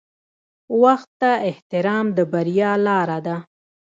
• وخت ته احترام د بریا لاره ده.